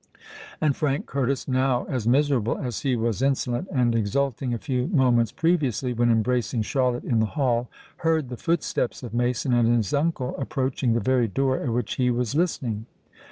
And Frank Curtis—now as miserable as he was insolent and exulting a few moments previously, when embracing Charlotte in the hall—heard the footsteps of Mason and his uncle approaching the very door at which he was listening.